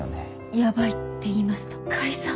ヤバいっていいますと。解散。